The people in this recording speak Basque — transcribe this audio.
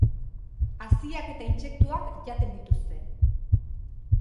Haziak eta intsektuak jaten dituzte.